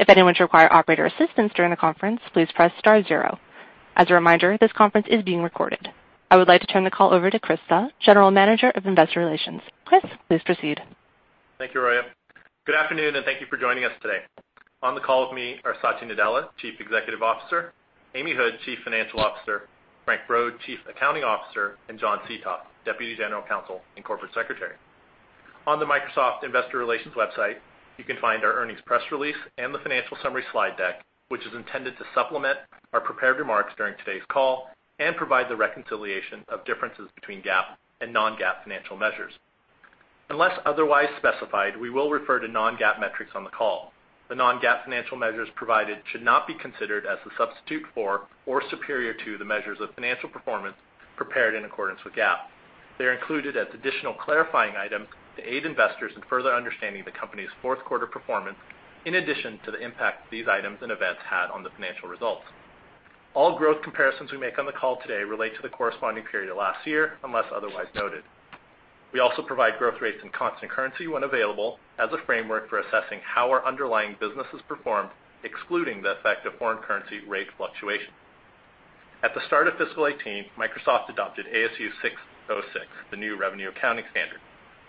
I would like to turn the call over to Chris Suh, General Manager of Investor Relations. Chris, please proceed. Thank you, Roya. Good afternoon, and thank you for joining us today. On the call with me are Satya Nadella, Chief Executive Officer, Amy Hood, Chief Financial Officer, Frank Brod, Chief Accounting Officer, and John Seethoff, Deputy General Counsel and Corporate Secretary. On the Microsoft Investor Relations website, you can find our earnings press release and the financial summary slide deck, which is intended to supplement our prepared remarks during today's call and provide the reconciliation of differences between GAAP and non-GAAP financial measures. Unless otherwise specified, we will refer to non-GAAP metrics on the call. The non-GAAP financial measures provided should not be considered as a substitute for or superior to the measures of financial performance prepared in accordance with GAAP. They are included as additional clarifying items to aid investors in further understanding the company's fourth quarter performance, in addition to the impact these items and events had on the financial results. All growth comparisons we make on the call today relate to the corresponding period of last year, unless otherwise noted. We also provide growth rates in constant currency when available as a framework for assessing how our underlying businesses performed, excluding the effect of foreign currency rate fluctuation. At the start of fiscal 2018, Microsoft adopted ASU 606, the new revenue accounting standard.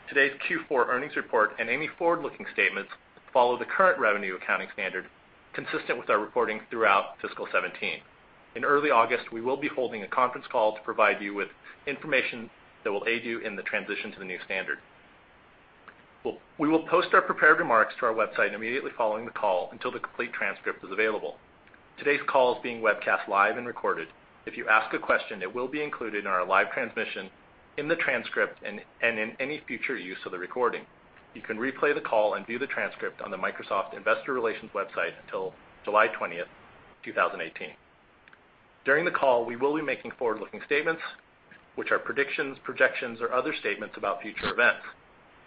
Today's Q4 earnings report and any forward-looking statements follow the current revenue accounting standard consistent with our reporting throughout fiscal 2017. In early August, we will be holding a conference call to provide you with information that will aid you in the transition to the new standard. We will post our prepared remarks to our website immediately following the call until the complete transcript is available. Today's call is being webcast live and recorded. If you ask a question, it will be included in our live transmission, in the transcript, and in any future use of the recording. You can replay the call and view the transcript on the Microsoft Investor Relations website till July 20th, 2018. During the call, we will be making forward-looking statements, which are predictions, projections, or other statements about future events.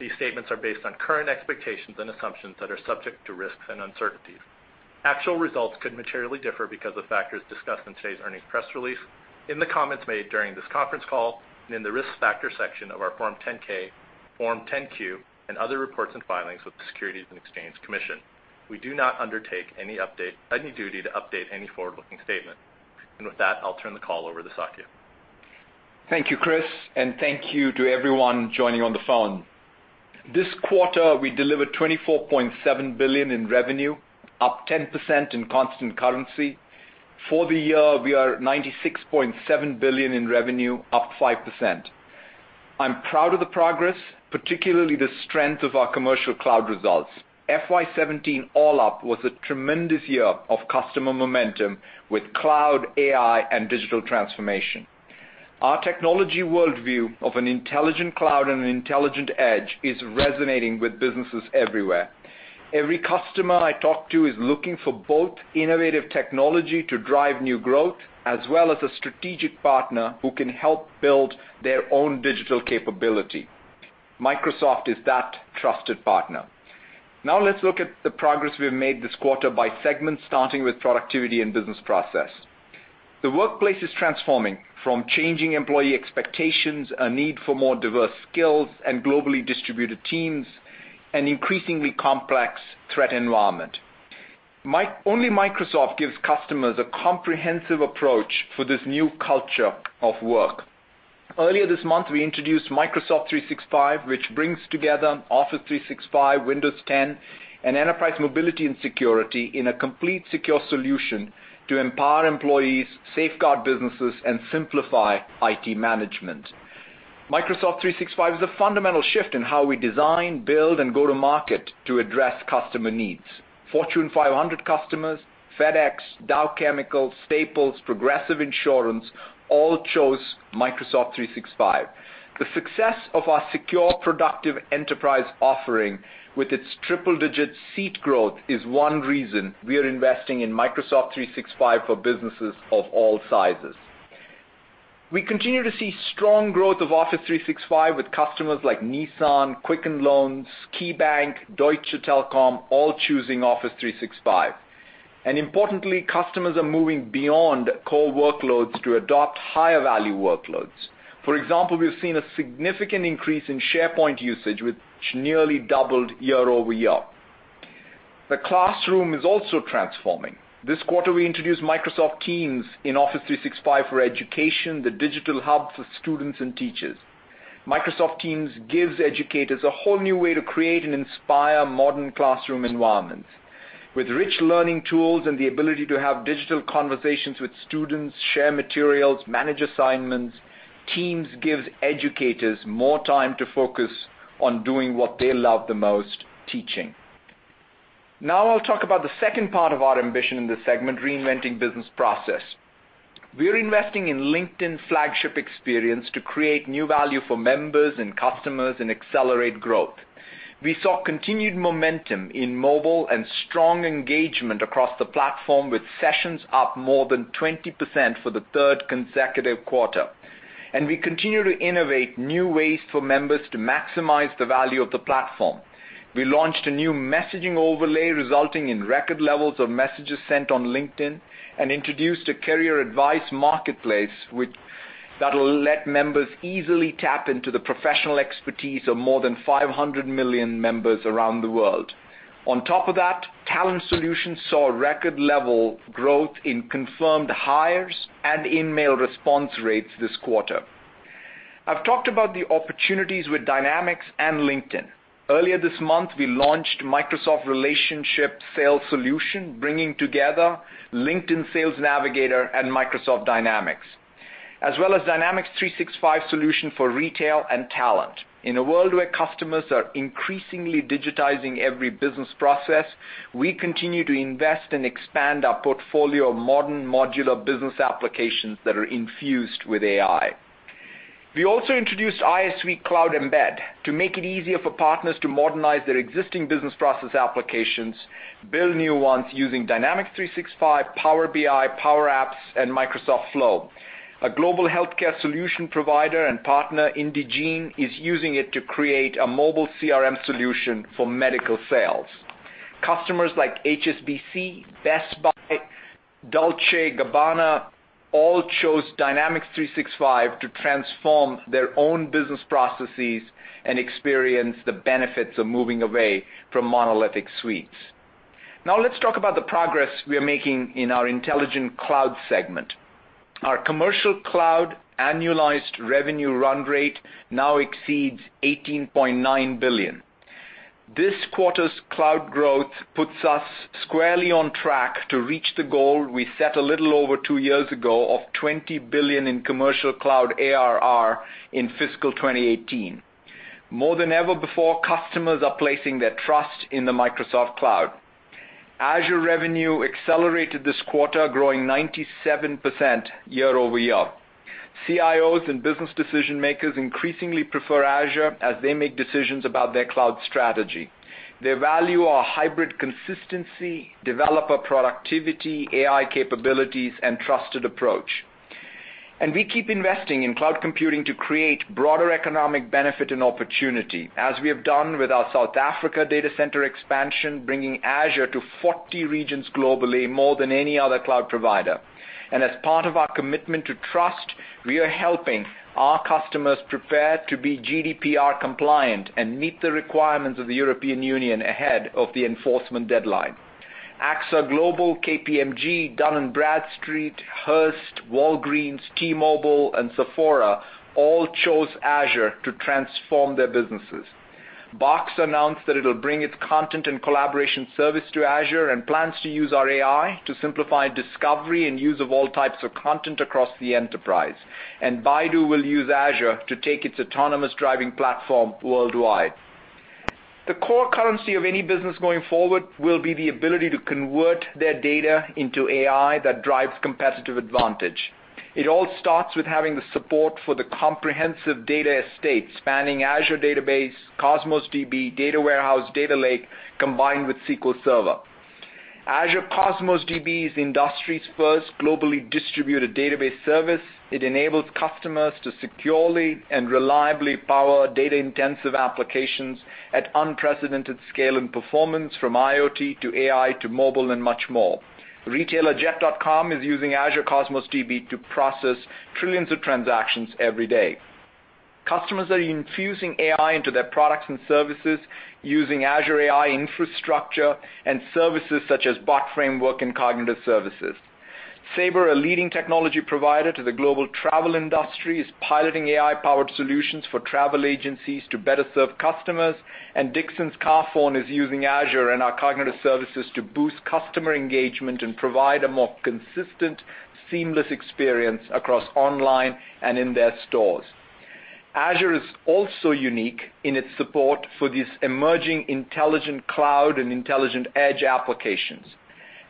These statements are based on current expectations and assumptions that are subject to risks and uncertainties. Actual results could materially differ because of factors discussed in today's earnings press release, in the comments made during this conference call, and in the risk factor section of our Form 10-K, Form 10-Q, and other reports and filings with the Securities and Exchange Commission. We do not undertake any update, any duty to update any forward-looking statement. With that, I'll turn the call over to Satya. Thank you, Chris, and thank you to everyone joining on the phone. This quarter, we delivered $24.7 billion in revenue, up 10% in constant currency. For the year, we are $96.7 billion in revenue, up 5%. I'm proud of the progress, particularly the strength of our commercial cloud results. FY 2017 all up was a tremendous year of customer momentum with cloud, AI, and digital transformation. Our technology worldview of an intelligent cloud and an intelligent edge is resonating with businesses everywhere. Every customer I talk to is looking for both innovative technology to drive new growth, as well as a strategic partner who can help build their own digital capability. Microsoft is that trusted partner. Let's look at the progress we've made this quarter by segment, starting with Productivity and Business Processes. The workplace is transforming from changing employee expectations, a need for more diverse skills and globally distributed teams, an increasingly complex threat environment. Only Microsoft gives customers a comprehensive approach for this new culture of work. Earlier this month, we introduced Microsoft 365, which brings together Office 365, Windows 10, and Enterprise Mobility + Security in a complete secure solution to empower employees, safeguard businesses, and simplify IT management. Microsoft 365 is a fundamental shift in how we design, build, and go to market to address customer needs. Fortune 500 customers, FedEx, Dow Chemical, Staples, Progressive Insurance all chose Microsoft 365. The success of our secure, productive enterprise offering with its triple-digit seat growth is one reason we are investing in Microsoft 365 for businesses of all sizes. We continue to see strong growth of Office 365 with customers like Nissan, Quicken Loans, KeyBank, Deutsche Telekom, all choosing Office 365. Importantly, customers are moving beyond core workloads to adopt higher-value workloads. For example, we've seen a significant increase in SharePoint usage, which nearly doubled year-over-year. The classroom is also transforming. This quarter, we introduced Microsoft Teams in Office 365 for Education, the digital hub for students and teachers. Microsoft Teams gives educators a whole new way to create and inspire modern classroom environments. With rich learning tools and the ability to have digital conversations with students, share materials, manage assignments, Teams gives educators more time to focus on doing what they love the most, teaching. Now I'll talk about the second part of our ambition in this segment, reinventing business process. We're investing in LinkedIn flagship experience to create new value for members and customers and accelerate growth. We saw continued momentum in mobile and strong engagement across the platform with sessions up more than 20% for the 3rd consecutive quarter. We continue to innovate new ways for members to maximize the value of the platform. We launched a new messaging overlay resulting in record levels of messages sent on LinkedIn and introduced a career advice marketplace which that'll let members easily tap into the professional expertise of more than 500 million members around the world. On top of that, Talent Solutions saw a record level of growth in confirmed hires and InMail response rates this quarter. I've talked about the opportunities with Dynamics and LinkedIn. Earlier this month, we launched Microsoft Relationship Sales solution, bringing together LinkedIn Sales Navigator and Microsoft Dynamics, as well as Dynamics 365 solution for retail and talent. In a world where customers are increasingly digitizing every business process, we continue to invest and expand our portfolio of modern modular business applications that are infused with AI. We also introduced ISV Cloud Embed to make it easier for partners to modernize their existing business process applications, build new ones using Dynamics 365, Power BI, Power Apps, and Microsoft Flow. A global healthcare solution provider and partner, Indegene, is using it to create a mobile CRM solution for medical sales. Customers like HSBC, Best Buy, Dolce & Gabbana all chose Dynamics 365 to transform their own business processes and experience the benefits of moving away from monolithic suites. Now let's talk about the progress we are making in our intelligent cloud segment. Our commercial cloud annualized revenue run rate now exceeds $18.9 billion. This quarter's cloud growth puts us squarely on track to reach the goal we set a little over two years ago of $20 billion in commercial cloud ARR in fiscal 2018. More than ever before, customers are placing their trust in the Microsoft Cloud. Azure revenue accelerated this quarter, growing 97% year-over-year. CIOs and business decision-makers increasingly prefer Azure as they make decisions about their cloud strategy. They value our hybrid consistency, developer productivity, AI capabilities, and trusted approach. We keep investing in cloud computing to create broader economic benefit and opportunity, as we have done with our South Africa data center expansion, bringing Azure to 40 regions globally, more than any other cloud provider. As part of our commitment to trust, we are helping our customers prepare to be GDPR compliant and meet the requirements of the European Union ahead of the enforcement deadline. AXA Global, KPMG, Dun & Bradstreet, Hearst, Walgreens, T-Mobile, and Sephora all chose Azure to transform their businesses. Box announced that it'll bring its content and collaboration service to Azure and plans to use our AI to simplify discovery and use of all types of content across the enterprise. Baidu will use Azure to take its autonomous driving platform worldwide. The core currency of any business going forward will be the ability to convert their data into AI that drives competitive advantage. It all starts with having the support for the comprehensive data estate spanning Azure Database, Cosmos DB, Data Warehouse, Data Lake, combined with SQL Server. Azure Cosmos DB is the industry's first globally distributed database service. It enables customers to securely and reliably power data-intensive applications at unprecedented scale and performance from IoT to AI to mobile and much more. Retailer Jet.com is using Azure Cosmos DB to process trillions of transactions every day. Customers are infusing AI into their products and services using Azure AI infrastructure and services such as Bot Framework and Cognitive Services. Sabre, a leading technology provider to the global travel industry, is piloting AI-powered solutions for travel agencies to better serve customers. Dixons Carphone is using Azure and our Cognitive Services to boost customer engagement and provide a more consistent, seamless experience across online and in their stores. Azure is also unique in its support for these emerging intelligent cloud and intelligent edge applications.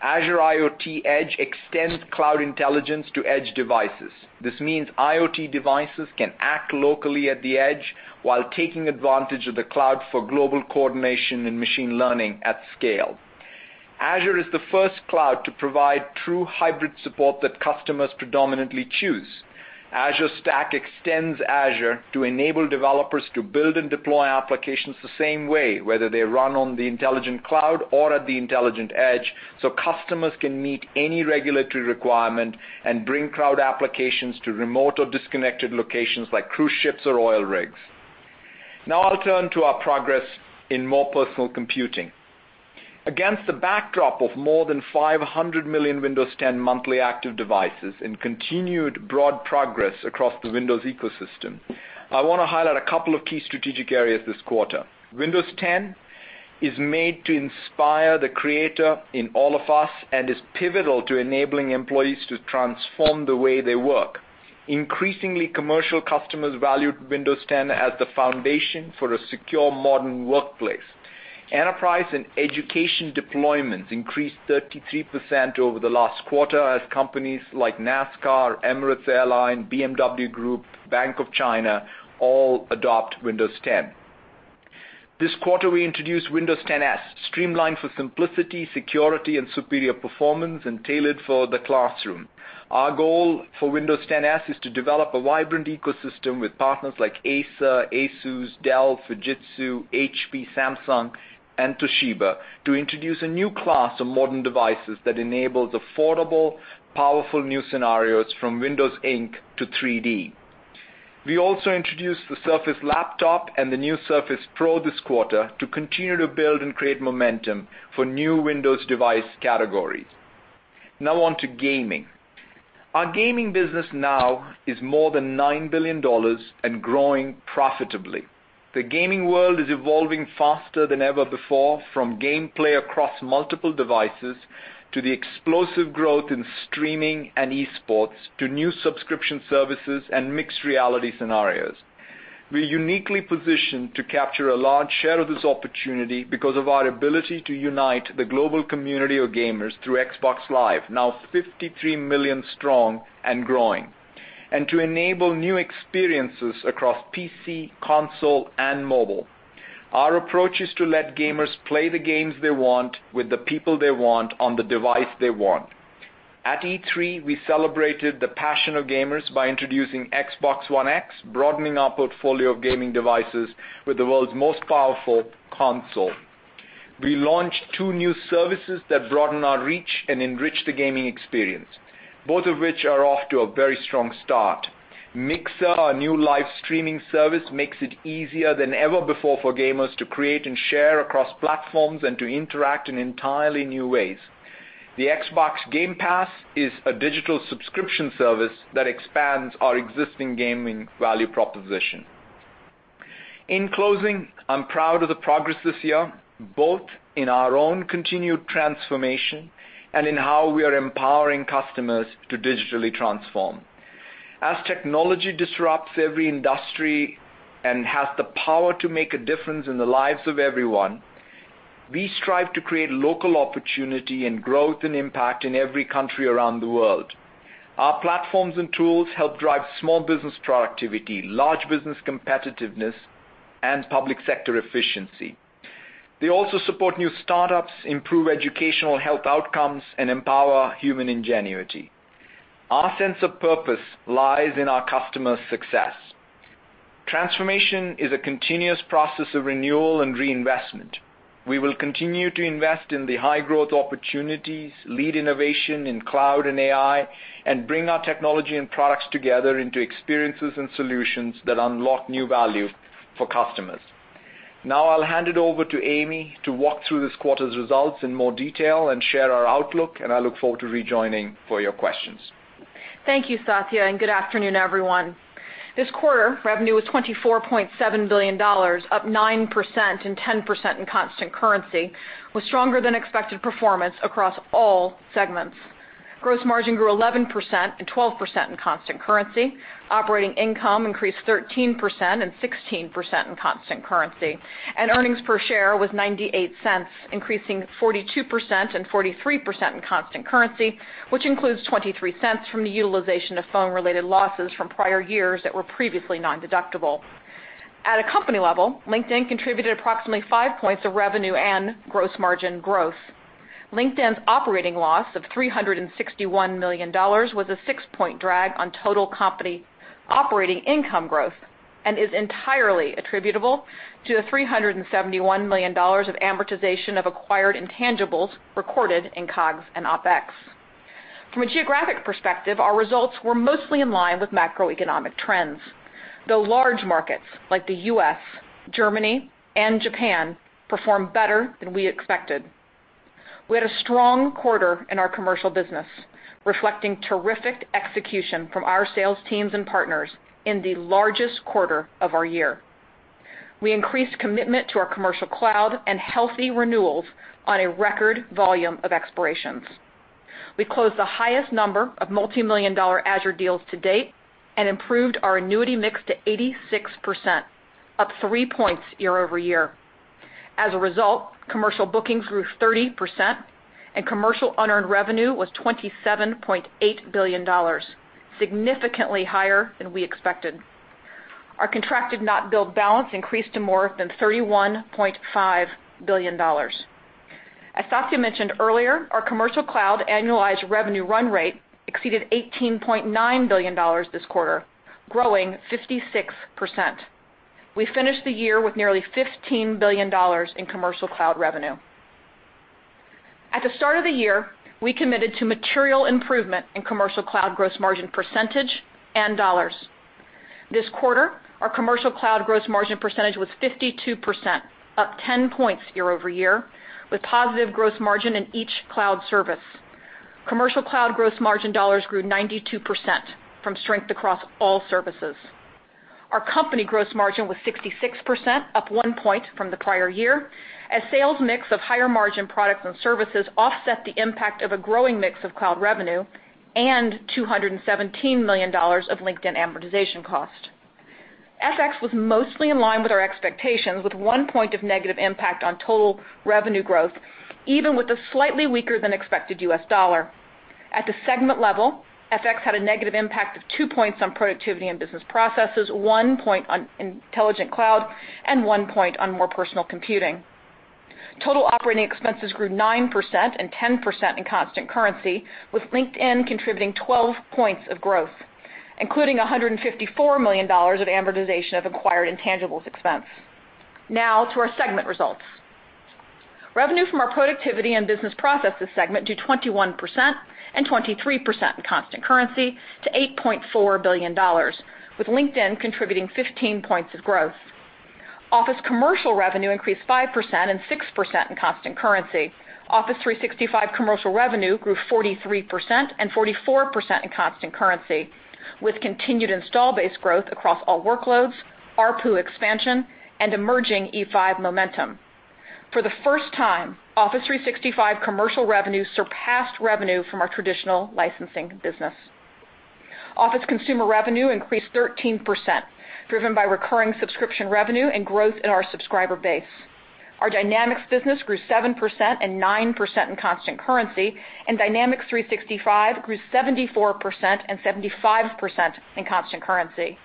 Azure IoT Edge extends cloud intelligence to edge devices. This means IoT devices can act locally at the edge while taking advantage of the cloud for global coordination and machine learning at scale. Azure is the first cloud to provide true hybrid support that customers predominantly choose. Azure Stack extends Azure to enable developers to build and deploy applications the same way, whether they run on the intelligent cloud or at the intelligent edge, so customers can meet any regulatory requirement and bring cloud applications to remote or disconnected locations like cruise ships or oil rigs. I'll turn to our progress in more personal computing. Against the backdrop of more than 500 million Windows 10 monthly active devices and continued broad progress across the Windows ecosystem, I wanna highlight a couple of key strategic areas this quarter. Windows 10 is made to inspire the creator in all of us and is pivotal to enabling employees to transform the way they work. Increasingly, commercial customers valued Windows 10 as the foundation for a secure modern workplace. Enterprise and education deployments increased 33% over the last quarter as companies like NASCAR, Emirates Airline, BMW Group, Bank of China, all adopt Windows 10. This quarter, we introduced Windows 10 S, streamlined for simplicity, security, and superior performance, and tailored for the classroom. Our goal for Windows 10 S is to develop a vibrant ecosystem with partners like Acer, ASUS, Dell, Fujitsu, HP, Samsung, and Toshiba to introduce a new class of modern devices that enables affordable, powerful new scenarios from Windows Ink to 3D. We also introduced the Surface Laptop and the new Surface Pro this quarter to continue to build and create momentum for new Windows device categories. Now on to gaming. Our gaming business now is more than $9 billion and growing profitably. The gaming world is evolving faster than ever before, from gameplay across multiple devices to the explosive growth in streaming and e-sports to new subscription services and mixed reality scenarios. We're uniquely positioned to capture a large share of this opportunity because of our ability to unite the global community of gamers through Xbox Live, now 53 million strong and growing, and to enable new experiences across PC, console, and mobile. At E3, we celebrated the passion of gamers by introducing Xbox One X, broadening our portfolio of gaming devices with the world's most powerful console. We launched two new services that broaden our reach and enrich the gaming experience, both of which are off to a very strong start. Mixer, our new live streaming service, makes it easier than ever before for gamers to create and share across platforms and to interact in entirely new ways. The Xbox Game Pass is a digital subscription service that expands our existing gaming value proposition. In closing, I'm proud of the progress this year, both in our own continued transformation and in how we are empowering customers to digitally transform. As technology disrupts every industry and has the power to make a difference in the lives of everyone, we strive to create local opportunity and growth and impact in every country around the world. Our platforms and tools help drive small business productivity, large business competitiveness, and public sector efficiency. They also support new startups, improve educational health outcomes, and empower human ingenuity. Our sense of purpose lies in our customers' success. Transformation is a continuous process of renewal and reinvestment. We will continue to invest in the high-growth opportunities, lead innovation in cloud and AI, and bring our technology and products together into experiences and solutions that unlock new value for customers. Now I'll hand it over to Amy to walk through this quarter's results in more detail and share our outlook, and I look forward to rejoining for your questions. Thank you, Satya, good afternoon, everyone. This quarter, revenue was $24.7 billion, up 9% and 10% in constant currency, with stronger-than-expected performance across all segments. Gross margin grew 11% and 12% in constant currency. Operating income increased 13% and 16% in constant currency. Earnings per share was $0.98, increasing 42% and 43% in constant currency, which includes $0.23 from the utilization of phone-related losses from prior years that were previously nondeductible. At a company level, LinkedIn contributed approximately five points of revenue and gross margin growth. LinkedIn's operating loss of $361 million was a six-point drag on total company operating income growth and is entirely attributable to the $371 million of amortization of acquired intangibles recorded in COGS and OpEx. From a geographic perspective, our results were mostly in line with macroeconomic trends, though large markets like the U.S., Germany, and Japan performed better than we expected. We had a strong quarter in our commercial business, reflecting terrific execution from our sales teams and partners in the largest quarter of our year. We increased commitment to our commercial cloud and healthy renewals on a record volume of expirations. We closed the highest number of multimillion-dollar Azure deals to date and improved our annuity mix to 86%, up three points year-over-year. Commercial bookings grew 30% and commercial unearned revenue was $27.8 billion, significantly higher than we expected. Our contracted not billed balance increased to more than $31.5 billion. As Satya mentioned earlier, our Commercial Cloud annualized revenue run rate exceeded $18.9 billion this quarter, growing 56%. We finished the year with nearly $15 billion in Commercial Cloud revenue. At the start of the year, we committed to material improvement in Commercial Cloud gross margin percentage and dollars. This quarter, our Commercial Cloud gross margin percentage was 52%, up 10 points year-over-year, with positive gross margin in each cloud service. Commercial Cloud gross margin dollars grew 92% from strength across all services. Our company gross margin was 66%, up one point from the prior year, as sales mix of higher margin products and services offset the impact of a growing mix of cloud revenue and $217 million of LinkedIn amortization cost. FX was mostly in line with our expectations, with one point of negative impact on total revenue growth, even with a slightly weaker than expected U.S. dollar. At the segment level, FX had a negative impact of two points on Productivity and Business Processes, one point on Intelligent Cloud, and one point on More Personal Computing. Total operating expenses grew 9% and 10% in constant currency, with LinkedIn contributing 12 points of growth, including $154 million of amortization of acquired intangibles expense. Now to our segment results. Revenue from our Productivity and Business Processes segment grew 21% and 23% in constant currency to $8.4 billion, with LinkedIn contributing 15 points of growth. Office Commercial revenue increased 5% and 6% in constant currency. Office 365 commercial revenue grew 43% and 44% in constant currency, with continued install base growth across all workloads, ARPU expansion and emerging E5 momentum. For the first time, Office 365 commercial revenue surpassed revenue from our traditional licensing business. Office consumer revenue increased 13%, driven by recurring subscription revenue and growth in our subscriber base. Our Dynamics business grew 7% and 9% in constant currency, and Dynamics 365 grew 74% and 75% in constant currency.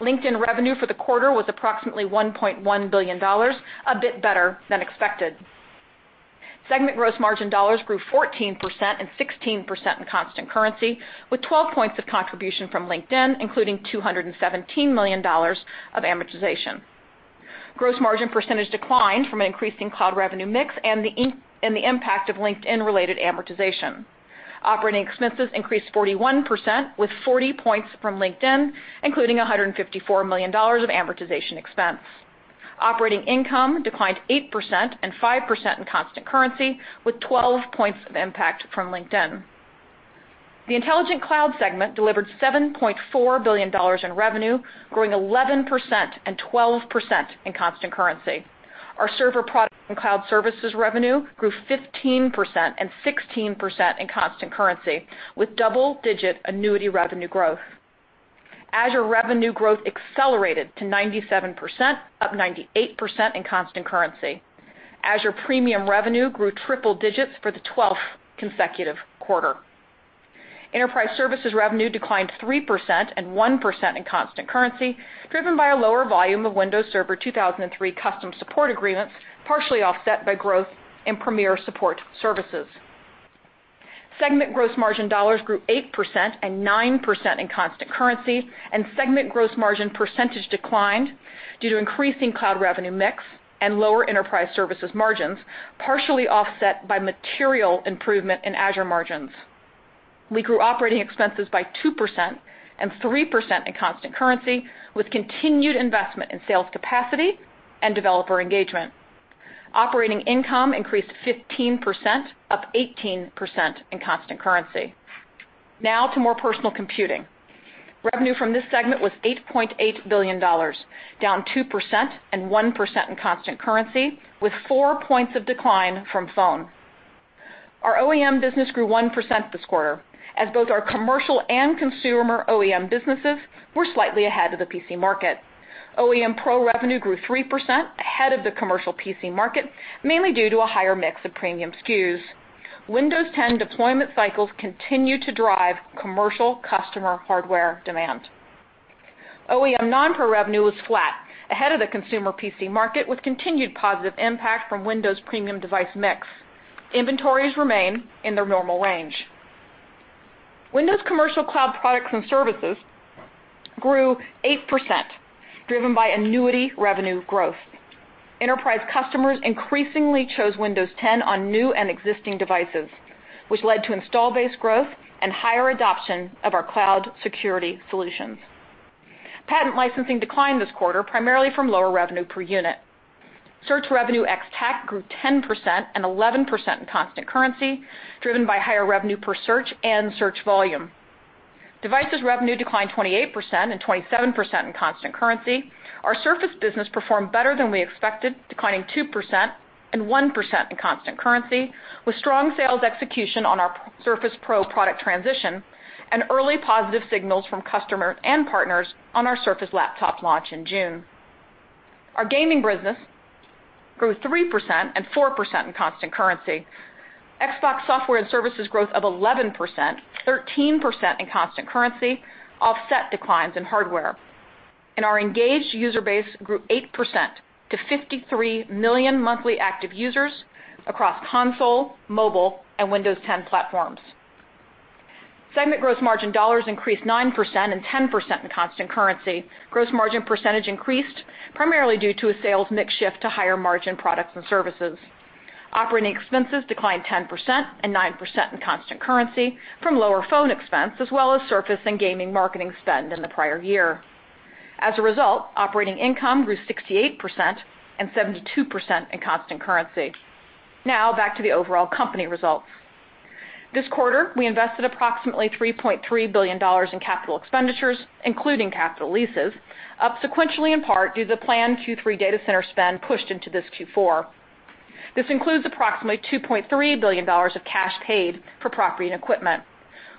LinkedIn revenue for the quarter was approximately $1.1 billion, a bit better than expected. Segment gross margin dollars grew 14% and 16% in constant currency, with 12 points of contribution from LinkedIn, including $217 million of amortization. Gross margin percentage declined from an increase in cloud revenue mix and the impact of LinkedIn-related amortization. Operating expenses increased 41%, with 40 points from LinkedIn, including $154 million of amortization expense. Operating income declined 8% and 5% in constant currency, with 12 points of impact from LinkedIn. The Intelligent Cloud segment delivered $7.4 billion in revenue, growing 11% and 12% in constant currency. Our server products and cloud services revenue grew 15% and 16% in constant currency, with double-digit annuity revenue growth. Azure revenue growth accelerated to 97%, up 98% in constant currency. Azure premium revenue grew triple digits for the twelfth consecutive quarter. Enterprise services revenue declined 3% and 1% in constant currency, driven by a lower volume of Windows Server 2003 custom support agreements, partially offset by growth in premier support services. Segment gross margin dollars grew 8% and 9% in constant currency, and segment gross margin percentage declined due to increasing cloud revenue mix and lower enterprise services margins, partially offset by material improvement in Azure margins. We grew operating expenses by 2% and 3% in constant currency, with continued investment in sales capacity and developer engagement. Operating income increased 15%, up 18% in constant currency. Now to More Personal Computing. Revenue from this segment was $8.8 billion, down 2% and 1% in constant currency, with four points of decline from phone. Our OEM business grew 1% this quarter, as both our commercial and consumer OEM businesses were slightly ahead of the PC market. OEM pro revenue grew 3% ahead of the commercial PC market, mainly due to a higher mix of premium SKUs. Windows 10 deployment cycles continue to drive commercial customer hardware demand. OEM non-pro revenue was flat, ahead of the consumer PC market, with continued positive impact from Windows premium device mix. Inventories remain in their normal range. Windows commercial cloud products and services grew 8%, driven by annuity revenue growth. Enterprise customers increasingly chose Windows 10 on new and existing devices, which led to install base growth and higher adoption of our cloud security solutions. Patent licensing declined this quarter, primarily from lower revenue per unit. Search revenue ex-TAC grew 10% and 11% in constant currency, driven by higher revenue per search and search volume. Devices revenue declined 28% and 27% in constant currency. Our Surface business performed better than we expected, declining 2% and 1% in constant currency, with strong sales execution on our Surface Pro product transition and early positive signals from customers and partners on our Surface Laptop launch in June. Our gaming business grew 3% and 4% in constant currency. Xbox software and services growth of 11%, 13% in constant currency offset declines in hardware. Our engaged user base grew 8% to 53 million monthly active users across console, mobile, and Windows 10 platforms. Segment gross margin dollars increased 9% and 10% in constant currency. Gross margin percentage increased primarily due to a sales mix shift to higher margin products and services. Operating expenses declined 10% and 9% in constant currency from lower phone expense as well as Surface and gaming marketing spend in the prior year. As a result, operating income grew 68% and 72% in constant currency. Now back to the overall company results. This quarter, we invested approximately $3.3 billion in capital expenditures, including capital leases, up sequentially in part due to planned Q3 data center spend pushed into this Q4. This includes approximately $2.3 billion of cash paid for property and equipment,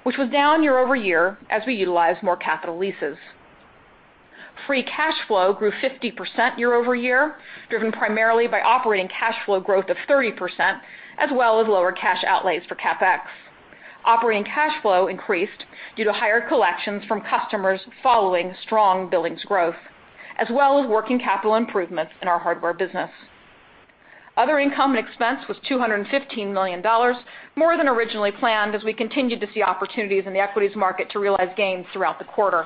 which was down year-over-year as we utilized more capital leases. Free cash flow grew 50% year-over-year, driven primarily by operating cash flow growth of 30%, as well as lower cash outlays for CapEx. Operating cash flow increased due to higher collections from customers following strong billings growth, as well as working capital improvements in our hardware business. Other income and expense was $215 million, more than originally planned as we continued to see opportunities in the equities market to realize gains throughout the quarter.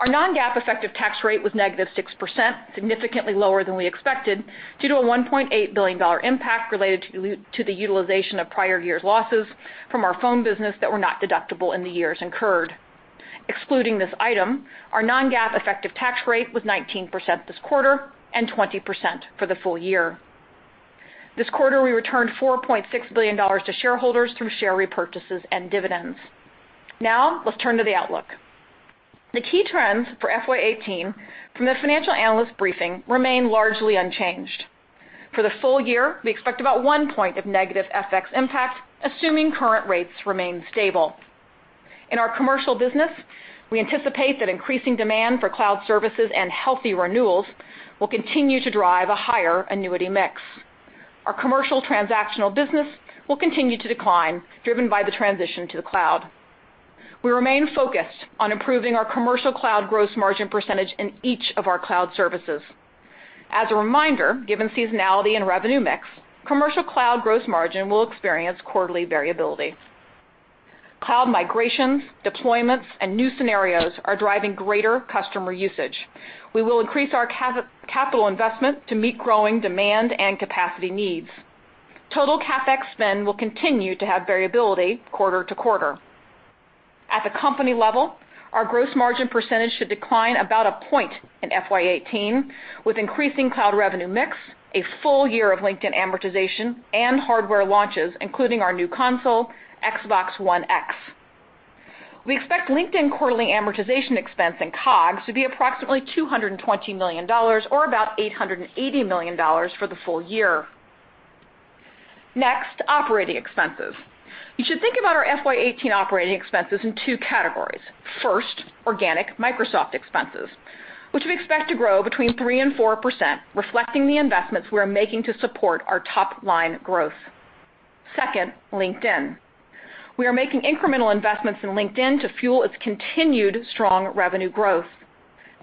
Our non-GAAP effective tax rate was -6%, significantly lower than we expected, due to a $1.8 billion impact related to the utilization of prior year's losses from our phone business that were not deductible in the years incurred. Excluding this item, our non-GAAP effective tax rate was 19% this quarter, and 20% for the full year. This quarter, we returned $4.6 billion to shareholders through share repurchases and dividends. Now let's turn to the outlook. The key trends for FY 2018 from the financial analyst briefing remain largely unchanged. For the full year, we expect about one point of negative FX impact, assuming current rates remain stable. In our commercial business, we anticipate that increasing demand for cloud services and healthy renewals will continue to drive a higher annuity mix. Our commercial transactional business will continue to decline, driven by the transition to the cloud. We remain focused on improving our commercial cloud gross margin percentage in each of our cloud services. As a reminder, given seasonality and revenue mix, commercial cloud gross margin will experience quarterly variability. Cloud migrations, deployments, and new scenarios are driving greater customer usage. We will increase our capital investment to meet growing demand and capacity needs. Total CapEx spend will continue to have variability quarter-to-quarter. At the company level, our gross margin percentage should decline about one point in FY 2018, with increasing cloud revenue mix, a full year of LinkedIn amortization, and hardware launches, including our new console, Xbox One X. We expect LinkedIn quarterly amortization expense and COGS to be approximately $220 million or about $880 million for the full year. Next, operating expenses. You should think about our FY 2018 operating expenses in two categories. First, organic Microsoft expenses, which we expect to grow between 3% and 4%, reflecting the investments we are making to support our top-line growth. Second, LinkedIn. We are making incremental investments in LinkedIn to fuel its continued strong revenue growth.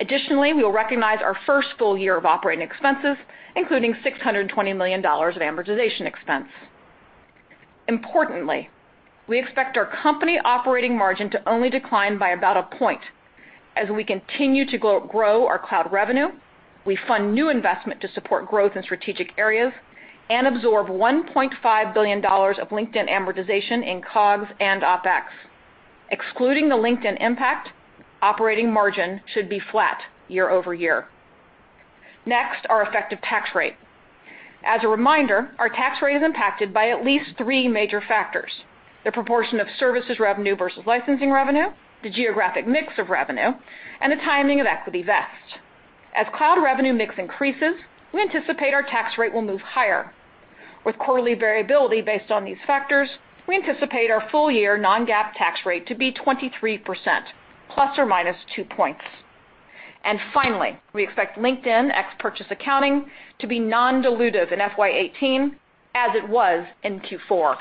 Additionally, we will recognize our first full year of operating expenses, including $620 million of amortization expense. Importantly, we expect our company operating margin to only decline by about a point as we continue to grow our cloud revenue, we fund new investment to support growth in strategic areas, and absorb $1.5 billion of LinkedIn amortization in COGS and OpEx. Excluding the LinkedIn impact, operating margin should be flat year-over-year. Next, our effective tax rate. As a reminder, our tax rate is impacted by at least three major factors: the proportion of services revenue versus licensing revenue, the geographic mix of revenue, and the timing of equity vests. As cloud revenue mix increases, we anticipate our tax rate will move higher. With quarterly variability based on these factors, we anticipate our full year non-GAAP tax rate to be 23%, ±2 points. Finally, we expect LinkedIn ex-purchase accounting to be non-dilutive in FY 2018 as it was in Q4.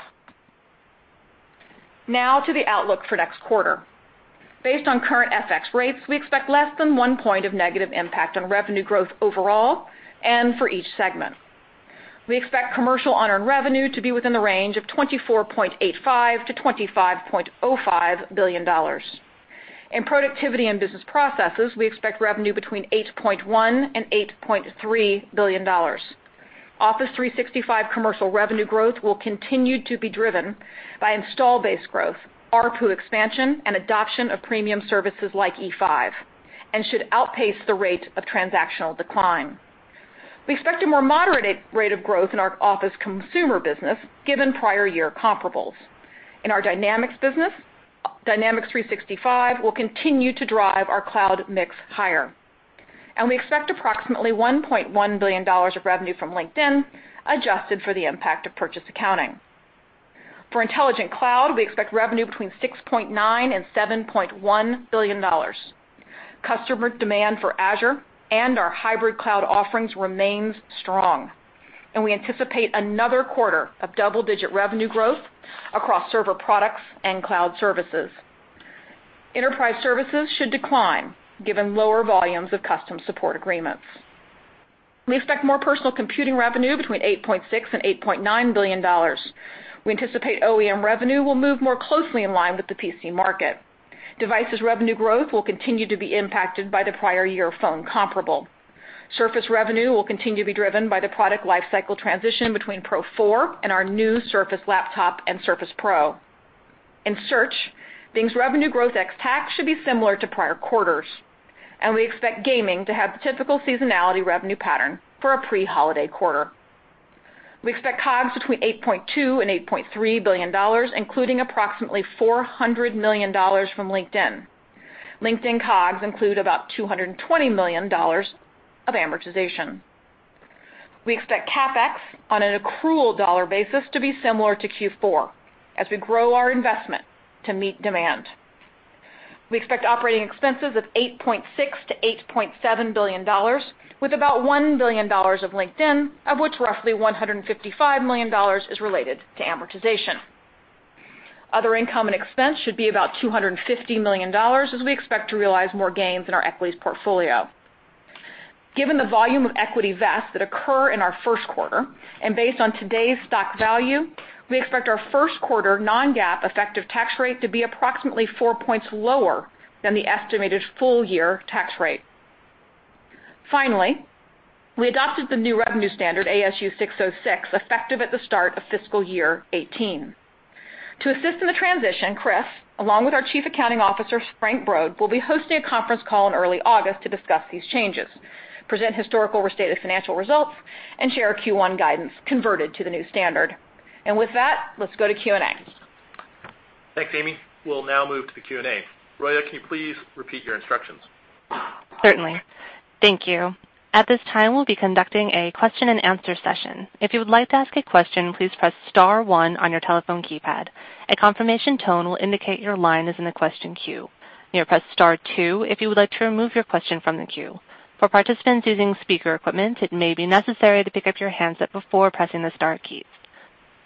Now to the outlook for next quarter. Based on current FX rates, we expect less than one point of negative impact on revenue growth overall and for each segment. We expect commercial unearned revenue to be within the range of $24.85 billion-$25.05 billion. In Productivity and Business Processes, we expect revenue between $8.1 billion and $8.3 billion. Office 365 commercial revenue growth will continue to be driven by install base growth, ARPU expansion, and adoption of premium services like E5, and should outpace the rate of transactional decline. We expect a more moderated rate of growth in our Office Consumer business given prior year comparables. In our Dynamics business, Dynamics 365 will continue to drive our cloud mix higher. We expect approximately $1.1 billion of revenue from LinkedIn, adjusted for the impact of purchase accounting. For Intelligent Cloud, we expect revenue between $6.9 billion and $7.1 billion. Customer demand for Azure and our hybrid cloud offerings remains strong. We anticipate another quarter of double-digit revenue growth across server products and cloud services. Enterprise services should decline given lower volumes of custom support agreements. We expect more personal computing revenue between $8.6 billion and $8.9 billion. We anticipate OEM revenue will move more closely in line with the PC market. Devices revenue growth will continue to be impacted by the prior year phone comparable. Surface revenue will continue to be driven by the product life cycle transition between Surface Pro 4 and our new Surface Laptop and Surface Pro. In search, Bing's revenue growth ex-TAC should be similar to prior quarters. We expect gaming to have the typical seasonality revenue pattern for a pre-holiday quarter. We expect COGS between $8.2 billion and $8.3 billion, including approximately $400 million from LinkedIn. LinkedIn COGS include about $220 million of amortization. We expect CapEx on an accrual dollar basis to be similar to Q4 as we grow our investment to meet demand. We expect operating expenses of $8.6 billion-$8.7 billion, with about $1 billion of LinkedIn, of which roughly $155 million is related to amortization. Other income and expense should be about $250 million as we expect to realize more gains in our equities portfolio. Given the volume of equity vests that occur in our first quarter and based on today's stock value, we expect our first quarter non-GAAP effective tax rate to be approximately four points lower than the estimated full-year tax rate. Finally, we adopted the new revenue standard, ASU 606, effective at the start of fiscal year 2018. To assist in the transition, Chris, along with our Chief Accounting Officer, Frank Brod, will be hosting a conference call in early August to discuss these changes, present historical restated financial results, and share our Q1 guidance converted to the new standard. With that, let's go to Q&A. Thanks, Amy. We'll now move to the Q&A. Roya, can you please repeat your instructions? Certainly. Thank you. At this time, we'll be conducting a question-and-answer session.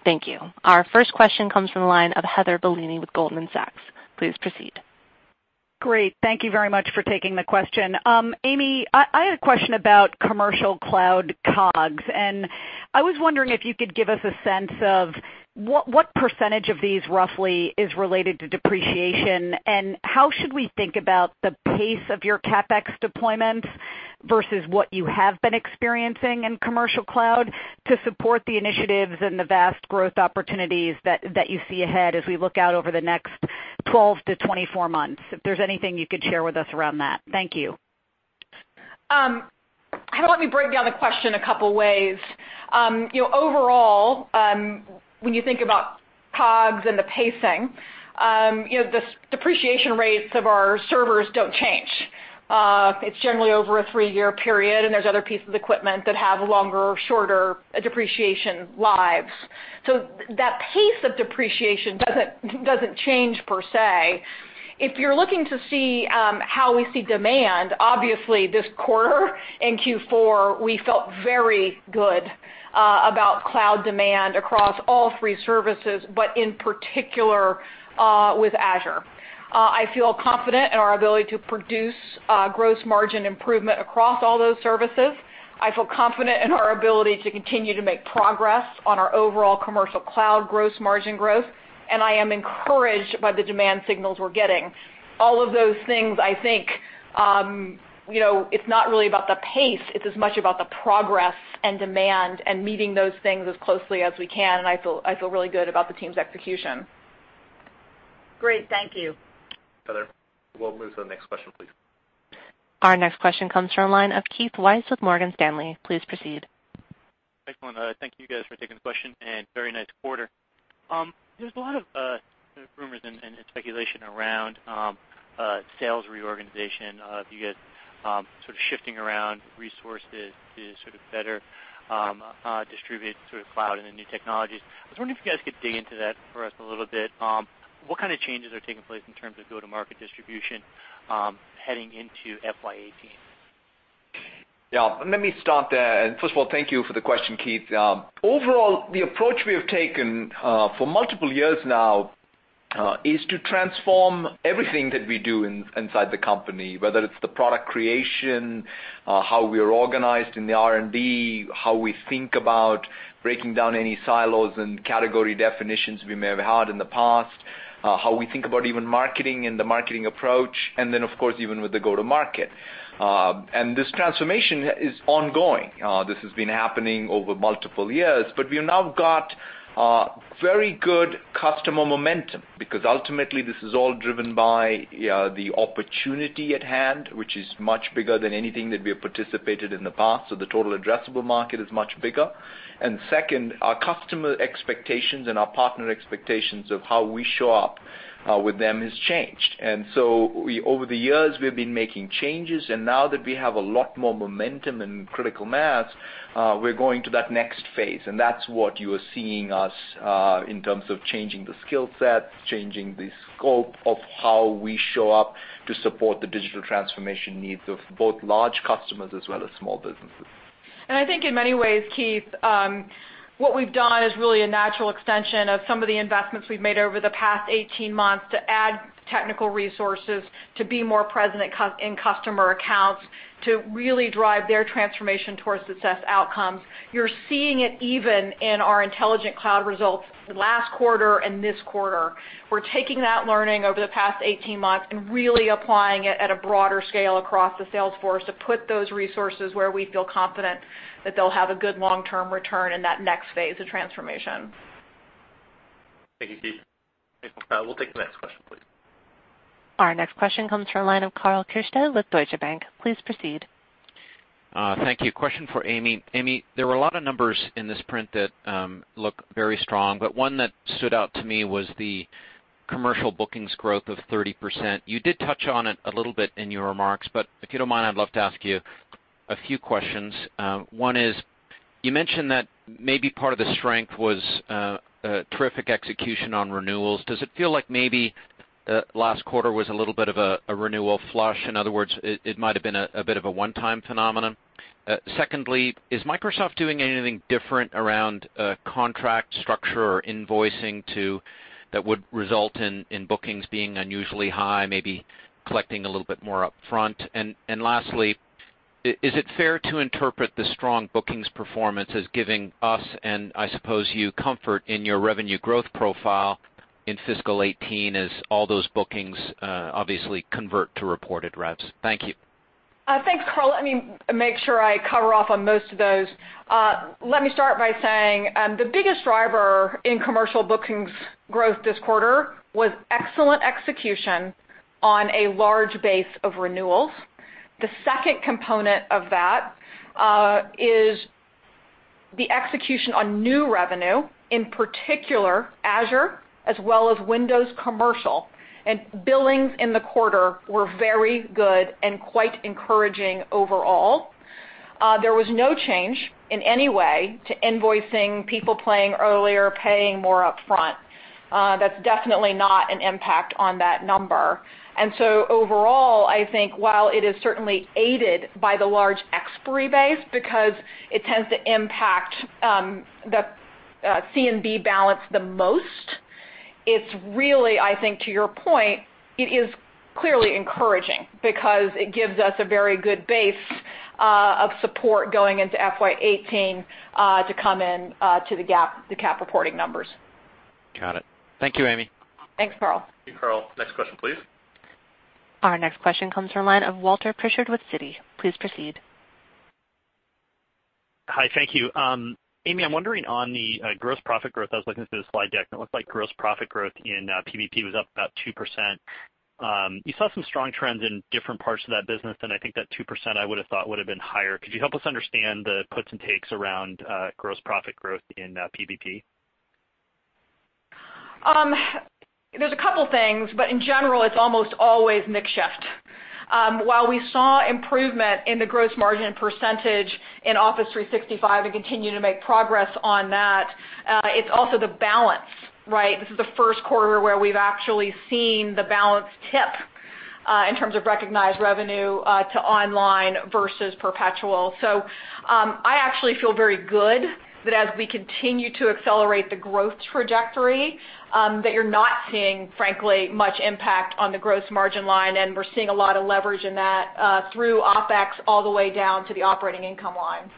Thank you. Our first question comes from the line of Heather Bellini with Goldman Sachs. Please proceed. Great. Thank you very much for taking the question. Amy, I had a question about commercial cloud COGS, and I was wondering if you could give us a sense of what % of these roughly is related to depreciation, and how should we think about the pace of your CapEx deployments versus what you have been experiencing in commercial cloud to support the initiatives and the vast growth opportunities that you see ahead as we look out over the next 12-24 months? If there's anything you could share with us around that. Thank you. Let me break down the question a couple ways. You know, overall, when you think about COGS and the pacing, you know, the depreciation rates of our servers don't change. It's generally over a three-year period, and there's other pieces of equipment that have longer or shorter depreciation lives. That pace of depreciation doesn't change per se. If you're looking to see, how we see demand, obviously this quarter in Q4, we felt very good about cloud demand across all three services, but in particular, with Azure. I feel confident in our ability to produce gross margin improvement across all those services. I feel confident in our ability to continue to make progress on our overall commercial cloud gross margin growth, and I am encouraged by the demand signals we're getting. All of those things, I think, you know, it's not really about the pace, it's as much about the progress and demand and meeting those things as closely as we can, and I feel really good about the team's execution. Great. Thank you. Heather. We'll move to the next question, please. Our next question comes from the line of Keith Weiss with Morgan Stanley. Please proceed. Excellent. Thank you guys for taking the question. Very nice quarter. There's a lot of rumors and speculation around sales reorganization, you guys sort of shifting around resources to sort of better distribute sort of cloud and the new technologies. I was wondering if you guys could dig into that for us a little bit. What kind of changes are taking place in terms of go-to-market distribution, heading into FY 2018? Yeah, let me start there. First of all, thank you for the question, Keith. Overall, the approach we have taken for multiple years now is to transform everything that we do inside the company, whether it's the product creation, how we are organized in the R&D, how we think about breaking down any silos and category definitions we may have had in the past, how we think about even marketing and the marketing approach, and then, of course, even with the go-to-market. This transformation is ongoing. This has been happening over multiple years, but we have now got very good customer momentum because ultimately this is all driven by the opportunity at hand, which is much bigger than anything that we have participated in the past. The total addressable market is much bigger. Second, our customer expectations and our partner expectations of how we show up with them has changed. Over the years, we've been making changes, and now that we have a lot more momentum and critical mass, we're going to that next phase, and that's what you are seeing us in terms of changing the skill set, changing the scope of how we show up to support the digital transformation needs of both large customers as well as small businesses. I think in many ways, Keith, what we've done is really a natural extension of some of the investments we've made over the past 18 months to add technical resources to be more present in customer accounts to really drive their transformation towards success outcomes. You're seeing it even in our Intelligent Cloud results last quarter and this quarter. We're taking that learning over the past 18 months and really applying it at a broader scale across the sales force to put those resources where we feel confident that they'll have a good long-term return in that next phase of transformation. Thank you, Keith. We'll take the next question, please. Our next question comes from line of Karl Keirstead with Deutsche Bank. Please proceed. Thank you. Question for Amy. Amy, there were a lot of numbers in this print that look very strong, but one that stood out to me was the commercial bookings growth of 30%. You did touch on it a little bit in your remarks, but if you don't mind, I'd love to ask you a few questions. One is, you mentioned that maybe part of the strength was terrific execution on renewals. Does it feel like maybe last quarter was a little bit of a renewal flush? In other words, it might have been a bit of a one-time phenomenon. Secondly, is Microsoft doing anything different around contract structure or invoicing that would result in bookings being unusually high, maybe collecting a little bit more upfront? Lastly, is it fair to interpret the strong bookings performance as giving us, and I suppose you, comfort in your revenue growth profile in fiscal 2018 as all those bookings, obviously convert to reported revenue? Thank you. Thanks, Karl. Let me make sure I cover off on most of those. Let me start by saying the biggest driver in commercial bookings growth this quarter was excellent execution on a large base of renewals. The second component of that is the execution on new revenue, in particular Azure, as well as Windows Commercial. Billings in the quarter were very good and quite encouraging overall. There was no change in any way to invoicing, people playing earlier, paying more upfront. That's definitely not an impact on that number. Overall, I think while it is certainly aided by the large expiry base because it tends to impact, the C and B balance the most, it's really, I think to your point, it is clearly encouraging because it gives us a very good base of support going into FY 2018, to come in, to the GAAP reporting numbers. Got it. Thank you, Amy. Thanks, Karl. Thank you, Karl. Next question, please. Our next question comes from line of Walter Pritchard with Citi. Please proceed. Hi, thank you. Amy, I'm wondering on the gross profit growth. I was looking through the slide deck, it looks like gross profit growth in PBP was up about 2%. You saw some strong trends in different parts of that business, I think that 2%, I would have thought would have been higher. Could you help us understand the puts and takes around gross profit growth in PBP? There's a couple things, but in general, it's almost always mix shift. While we saw improvement in the gross margin percentage in Office 365 and continue to make progress on that, it's also the balance, right? This is the first quarter where we've actually seen the balance tip, in terms of recognized revenue, to online versus perpetual. I actually feel very good that as we continue to accelerate the growth trajectory, that you're not seeing, frankly, much impact on the gross margin line, and we're seeing a lot of leverage in that, through OpEx all the way down to the operating income line.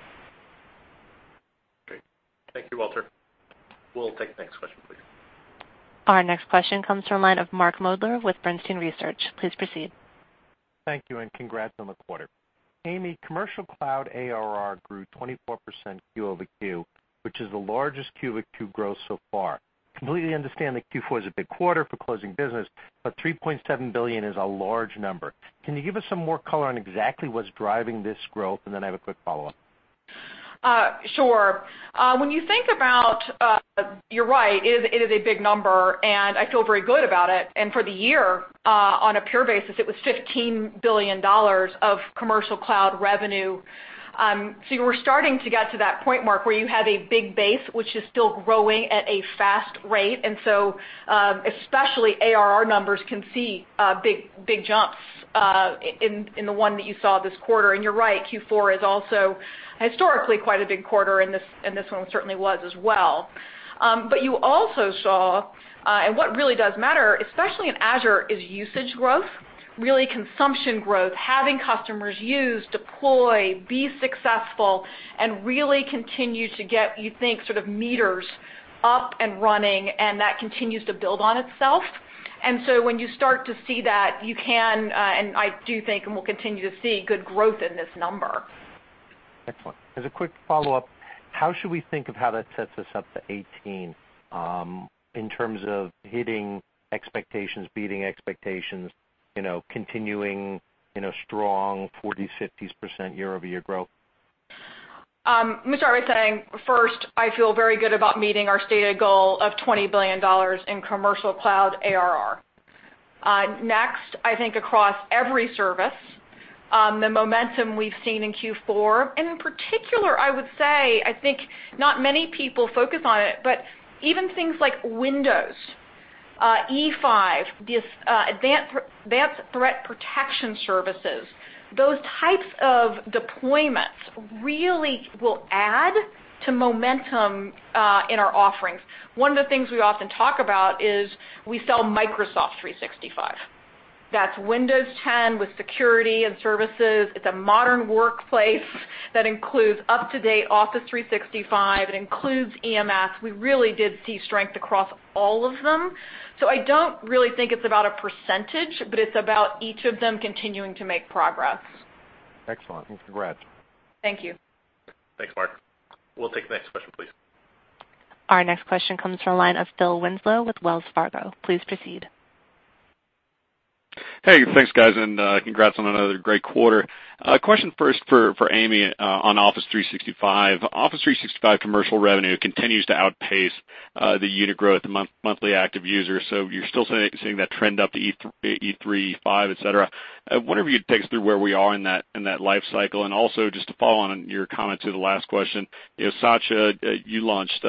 Great. Thank you, Walter. We'll take the next question, please. Our next question comes from line of Mark Moerdler with Bernstein Research. Please proceed. Thank you, and congrats on the quarter. Amy, commercial cloud ARR grew 24% Q-over-Q, which is the largest Q-over-Q growth so far. Completely understand that Q4 is a big quarter for closing business, but $3.7 billion is a large number. Can you give us some more color on exactly what's driving this growth? I have a quick follow-up. Sure. When you think about, you're right, it is a big number, and I feel very good about it. For the year, on a pure basis, it was $15 billion of commercial cloud revenue. We're starting to get to that point, Mark, where you have a big base, which is still growing at a fast rate. Especially ARR numbers can see big jumps in the one that you saw this quarter. You're right, Q4 is also historically quite a big quarter, and this one certainly was as well. You also saw, what really does matter, especially in Azure, is usage growth, really consumption growth, having customers use, deploy, be successful, and really continue to get, you think, sort of meters up and running, and that continues to build on itself. When you start to see that, you can, I do think and will continue to see good growth in this number. Excellent. As a quick follow-up, how should we think of how that sets us up to 18, in terms of hitting expectations, beating expectations, you know, continuing, you know, strong 40, 50s % year-over-year growth? Let me start by saying, first, I feel very good about meeting our stated goal of $20 billion in commercial cloud ARR. Next, I think across every service, the momentum we've seen in Q4, and in particular, I would say, I think not many people focus on it, but even things like Windows E5, the advanced threat protection services, those types of deployments really will add to momentum in our offerings. One of the things we often talk about is we sell Microsoft 365. That's Windows 10 with security and services. It's a modern workplace that includes up-to-date Office 365. It includes EMS. We really did see strength across all of them. I don't really think it's about a percentage, but it's about each of them continuing to make progress. Excellent. Congrats. Thank you. Thanks, Mark. We'll take the next question, please. Our next question comes from line of Phil Winslow with Wells Fargo. Please proceed. Hey, thanks guys, congrats on another great quarter. Question first for Amy on Office 365. Office 365 commercial revenue continues to outpace the unit growth monthly active users. You're still seeing that trend up to E3, E5, et cetera. I wonder if you'd take us through where we are in that life cycle, and also just to follow on your comment to the last question. You know, Satya, you launched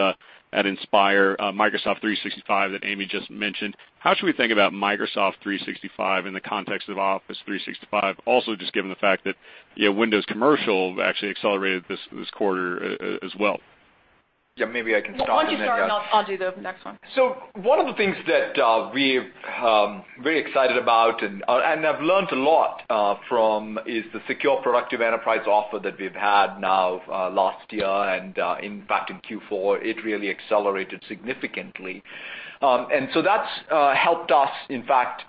at Inspire Microsoft 365 that Amy just mentioned. How should we think about Microsoft 365 in the context of Office 365, also just given the fact that, you know, Windows commercial actually accelerated this quarter as well? Yeah, maybe I can start. Why don't you start, and I'll do the next one. One of the things that we're very excited about and have learned a lot from is the Secure Productive Enterprise offer that we've had now last year, and in fact, in Q4, it really accelerated significantly. That's helped us, in fact,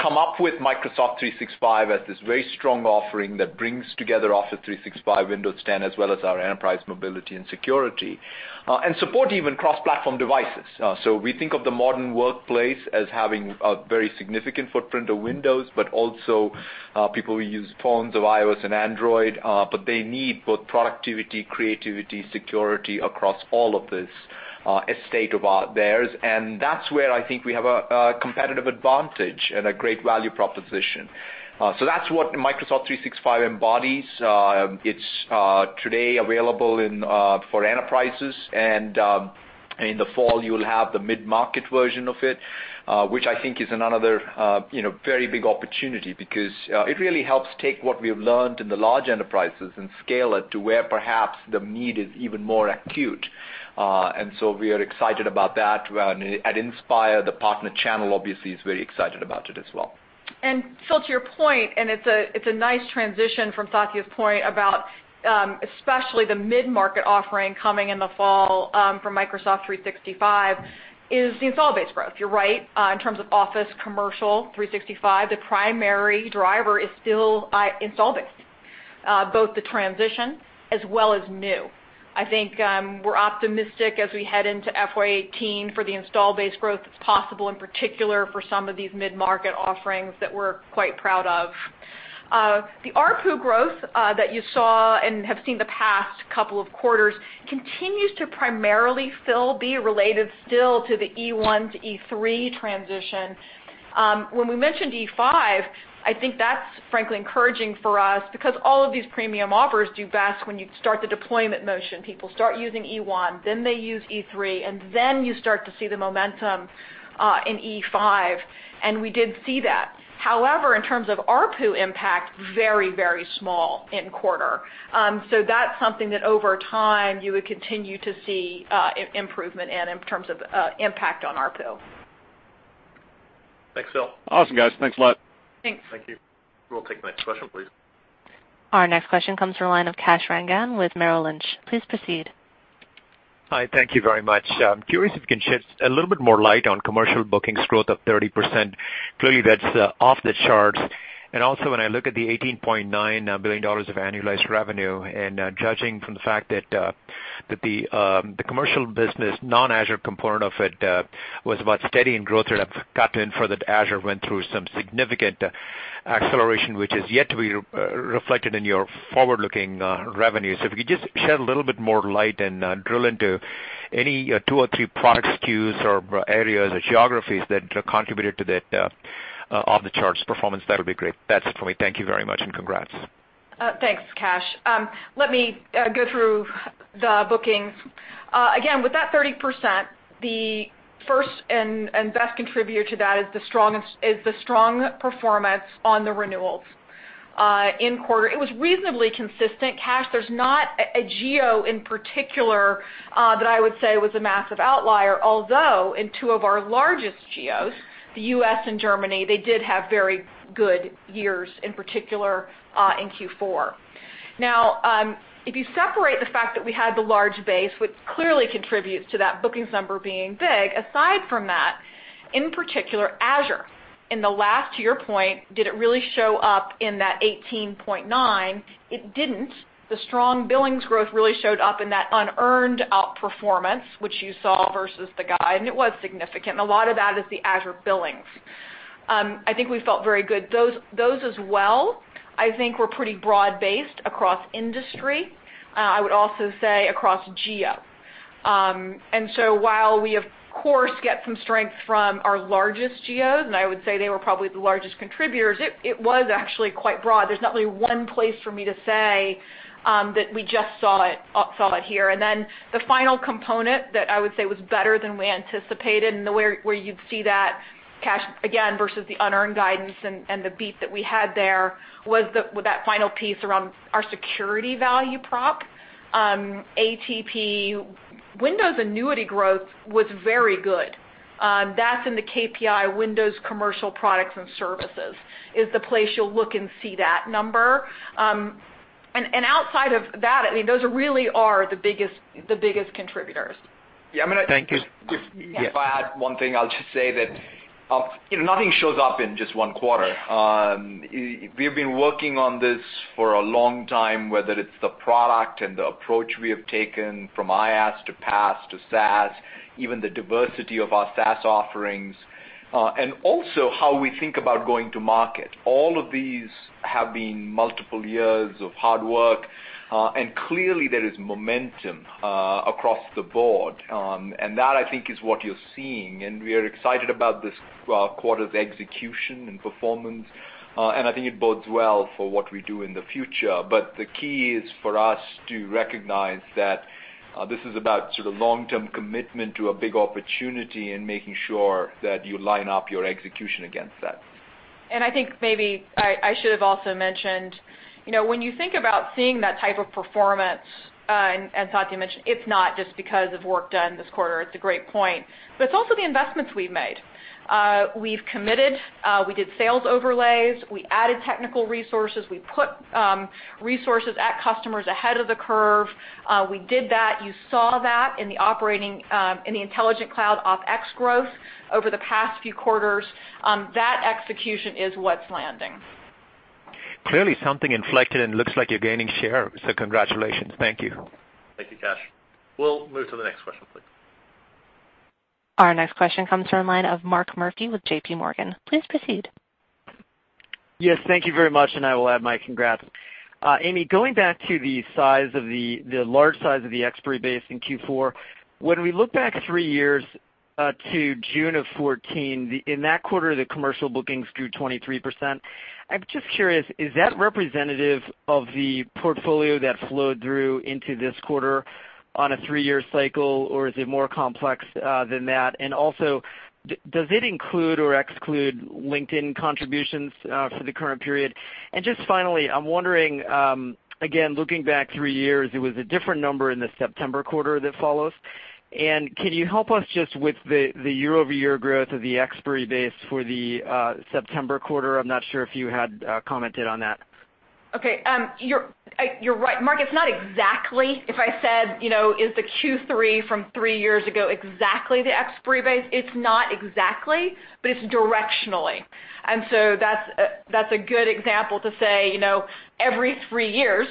come up with Microsoft 365 as this very strong offering that brings together Office 365, Windows 10, as well as our Enterprise Mobility + Security, and support even cross-platform devices. We think of the modern workplace as having a very significant footprint of Windows, but also people who use phones of iOS and Android, but they need both productivity, creativity, security across all of this estate of ours. That's where I think we have a competitive advantage and a great value proposition. That's what Microsoft 365 embodies. It's today available in for enterprises and in the fall, you'll have the mid-market version of it, which I think is another, you know, very big opportunity because it really helps take what we have learned in the large enterprises and scale it to where perhaps the need is even more acute. We are excited about that. At Inspire, the partner channel obviously is very excited about it as well. Phil, to your point, it's a nice transition from Satya's point about, especially the mid-market offering coming in the fall, from Microsoft 365 is the install base growth. You're right, in terms of Office commercial 365, the primary driver is still install base, both the transition as well as new. I think, we're optimistic as we head into FY 2018 for the install base growth that's possible, in particular for some of these mid-market offerings that we're quite proud of. The ARPU growth that you saw and have seen the past couple of quarters continues to primarily, Phil, be related still to the E1 to E3 transition. When we mentioned E5, I think that's frankly encouraging for us because all of these premium offers do best when you start the deployment motion. People start using E1, then they use E3, and then you start to see the momentum in E5, and we did see that. However, in terms of ARPU impact, very, very small in quarter. That's something that over time you would continue to see improvement in terms of impact on ARPU. Thanks, Phil. Awesome, guys. Thanks a lot. Thanks. Thank you. We'll take the next question, please. Our next question comes from line of Kash Rangan with Merrill Lynch. Please proceed. Hi, thank you very much. Curious if you can shed a little bit more light on commercial bookings growth of 30%. Clearly, that's off the charts. When I look at the $18.9 billion of annualized revenue, judging from the fact that the commercial business non-Azure component of it was about steady and growth rate have gotten further, Azure went through some significant acceleration, which is yet to be reflected in your forward-looking revenues. If you could just shed a little bit more light and drill into any two or three product SKUs or areas or geographies that contributed to that off the charts performance, that would be great. That's it for me. Thank you very much, and congrats. Thanks, Kash. Let me go through the bookings. Again, with that 30%, the first and best contributor to that is the strong performance on the renewals. In quarter, it was reasonably consistent, Kash. There's not a geo in particular that I would say was a massive outlier, although in two of our largest geos, the U.S. and Germany, they did have very good years, in particular, in Q4. If you separate the fact that we had the large base, which clearly contributes to that bookings number being big, aside from that, in particular, Azure, in the last year point, did it really show up in that 18.9? It didn't. The strong billings growth really showed up in that unearned outperformance, which you saw versus the guide, it was significant, a lot of that is the Azure billings. I think we felt very good. Those as well, I think were pretty broad-based across industry, I would also say across geo. While we of course get some strength from our largest geos, and I would say they were probably the largest contributors, it was actually quite broad. There's not really one place for me to say that we just saw it, saw it here. The final component that I would say was better than we anticipated, and the where you'd see that, Kash, again, versus the unearned guidance and the beat that we had there was with that final piece around our security value prop. ATP, Windows annuity growth was very good. That's in the KPI Windows commercial products and services is the place you'll look and see that number. Outside of that, I mean, those really are the biggest, the biggest contributors. Yeah. Thank you. Just- Yeah. If I add one thing, I'll just say that, you know, nothing shows up in just one quarter. We have been working on this for a long time, whether it's the product and the approach we have taken from IaaS to PaaS to SaaS, even the diversity of our SaaS offerings, and also how we think about going to market. All of these have been multiple years of hard work. Clearly there is momentum across the board. That I think, is what you're seeing, and we are excited about this quarter's execution and performance. I think it bodes well for what we do in the future. The key is for us to recognize that, this is about sort of long-term commitment to a big opportunity and making sure that you line up your execution against that. I think maybe I should have also mentioned, you know, when you think about seeing that type of performance, Satya mentioned, it's not just because of work done this quarter, it's a great point, but it's also the investments we've made. We've committed, we did sales overlays, we added technical resources. We put resources at customers ahead of the curve. We did that. You saw that in the operating, in the Intelligent Cloud OpEx growth over the past few quarters. That execution is what's landing. Clearly something inflected, and it looks like you're gaining share, so congratulations. Thank you. Thank you, Kash. We'll move to the next question, please. Our next question comes from line of Mark Murphy with JPMorgan. Please proceed. Yes, thank you very much, and I will add my congrats. Amy, going back to the size of the large size of the expiry base in Q4, when we look back three years, to June of 2014, in that quarter, the commercial bookings grew 23%. I'm just curious, is that representative of the portfolio that flowed through into this quarter on a three-year cycle, or is it more complex than that? Does it include or exclude LinkedIn contributions for the current period? Finally, I'm wondering, again, looking back three years, it was a different number in the September quarter that follows. Can you help us just with the year-over-year growth of the expiry base for the September quarter? I'm not sure if you had commented on that. You're right, Mark. It's not exactly if I said, you know, is the Q3 from three years ago exactly the expiry base. It's not exactly, but it's directionally. That's a good example to say, you know, every three years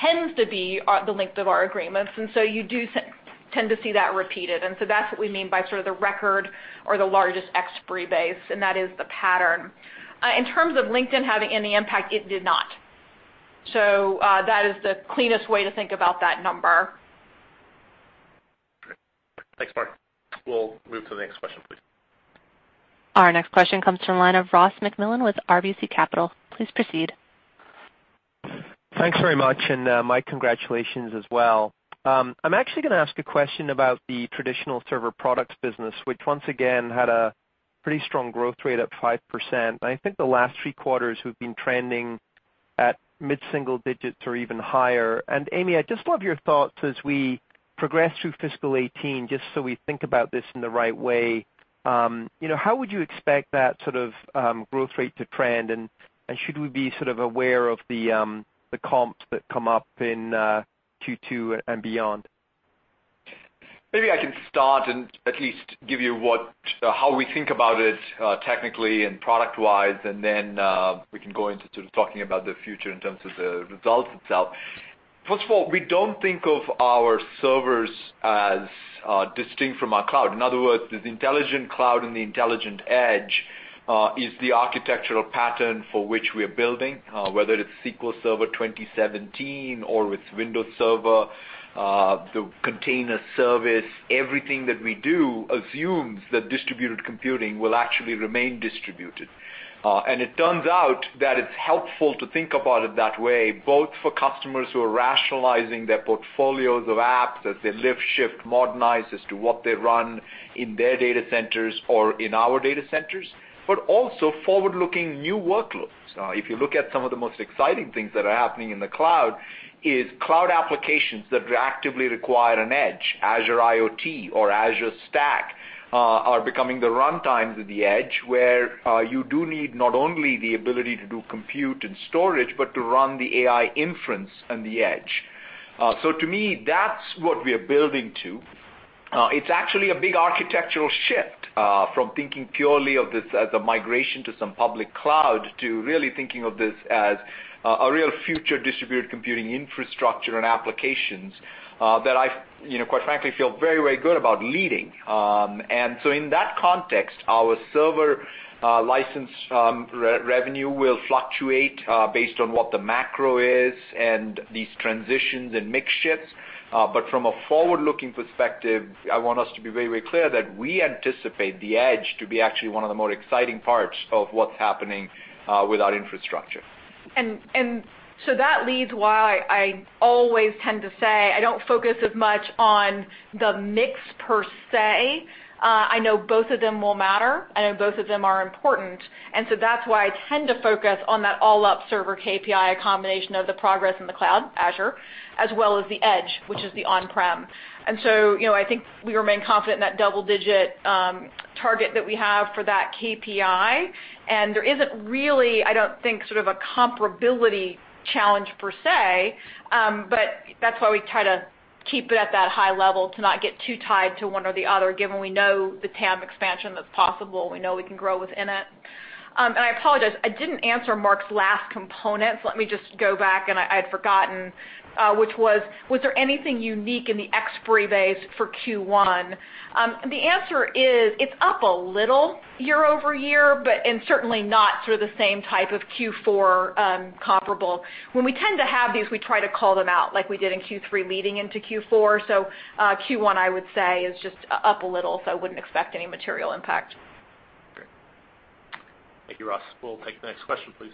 tends to be the length of our agreements. You do tend to see that repeated. That's what we mean by sort of the record or the largest expiry base, and that is the pattern. In terms of LinkedIn having any impact, it did not. That is the cleanest way to think about that number. Great. Thanks, Mark. We'll move to the next question, please. Our next question comes from the line of Ross MacMillan with RBC Capital. Please proceed. Thanks very much, my congratulations as well. I'm actually gonna ask a question about the traditional server products business, which once again had a pretty strong growth rate up 5%. I think the last three quarters have been trending at mid-single digits or even higher. Amy, I'd just love your thoughts as we progress through fiscal 2018, just so we think about this in the right way. you know, how would you expect that sort of growth rate to trend, should we be sort of aware of the comps that come up in Q2 and beyond? Maybe I can start and at least give you what, how we think about it, technically and product-wise, and then, we can go into sort of talking about the future in terms of the results itself. First of all, we don't think of our servers as, distinct from our cloud. In other words, the intelligent cloud and the intelligent edge, is the architectural pattern for which we are building, whether it's SQL Server 2017 or it's Windows Server, the container service. Everything that we do assumes that distributed computing will actually remain distributed. It turns out that it's helpful to think about it that way, both for customers who are rationalizing their portfolios of apps as they lift, shift, modernize as to what they run in their data centers or in our data centers, but also forward-looking new workloads. If you look at some of the most exciting things that are happening in the cloud, is cloud applications that actively require an edge. Azure IoT or Azure Stack are becoming the run times at the edge, where you do need not only the ability to do compute and storage but to run the AI inference on the edge. To me, that's what we are building to. It's actually a big architectural shift from thinking purely of this as a migration to some public cloud to really thinking of this as a real future distributed computing infrastructure and applications that I you know, quite frankly, feel very, very good about leading. In that context, our server license revenue will fluctuate based on what the macro is and these transitions and mix shifts. From a forward-looking perspective, I want us to be very, very clear that we anticipate the edge to be actually one of the more exciting parts of what's happening, with our infrastructure. That leads why I always tend to say I don't focus as much on the mix per se. I know both of them will matter, and both of them are important. That's why I tend to focus on that all up server KPI combination of the progress in the cloud, Azure, as well as the edge, which is the on-prem. You know, I think we remain confident in that double-digit target that we have for that KPI. There isn't really, I don't think, sort of a comparability challenge per se. That's why we Keep it at that high level to not get too tied to one or the other, given we know the TAM expansion that's possible, we know we can grow within it. I apologize, I didn't answer Mark's last component, let me just go back, I'd forgotten, which was there anything unique in the ex-FX base for Q1? The answer is it's up a little year-over-year, certainly not through the same type of Q4 comparable. When we tend to have these, we try to call them out, like we did in Q3 leading into Q4. Q1, I would say is just up a little, wouldn't expect any material impact. Great. Thank you, Ross. We'll take the next question, please.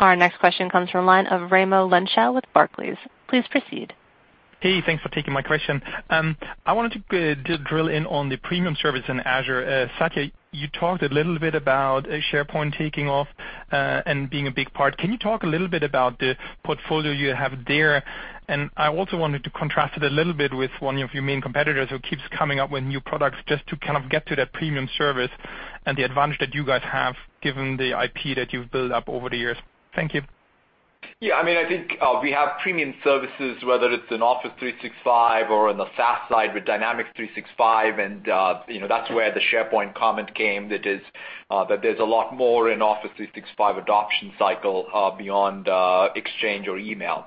Our next question comes from line of Raimo Lenschow with Barclays. Please proceed. Hey, thanks for taking my question. I wanted to just drill in on the premium service in Azure. Satya, you talked a little bit about SharePoint taking off and being a big part. Can you talk a little bit about the portfolio you have there? I also wanted to contrast it a little bit with one of your main competitors who keeps coming up with new products just to kind of get to that premium service and the advantage that you guys have given the IP that you've built up over the years. Thank you. Yeah, I mean, I think, we have premium services, whether it's in Office 365 or in the SaaS side with Dynamics 365, and, you know, that's where the SharePoint comment came. That is, there's a lot more in Office 365 adoption cycle beyond Exchange or email.